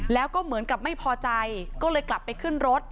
แล้วก็เหมือนกับไม่พอใจก็เลยกลับไปขึ้นรถ